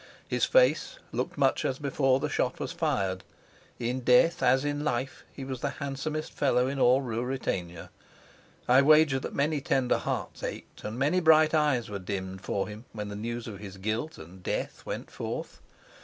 His face looked much as before the shot was fired; in death, as in life, he was the handsomest fellow in all Ruritania. I wager that many tender hearts ached and many bright eyes were dimmed for him when the news of his guilt and death went forth.